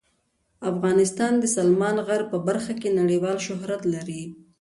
افغانستان د سلیمان غر په برخه کې نړیوال شهرت لري.